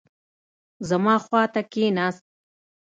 زما خوا ته کښېناست.